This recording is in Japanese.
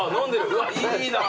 うわいいな。